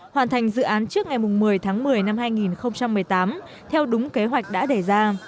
hoàn thành dự án trước ngày một mươi tháng một mươi năm hai nghìn một mươi tám theo đúng kế hoạch đã đề ra